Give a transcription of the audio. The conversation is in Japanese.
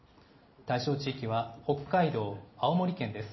対象地域は北海道、青森県です。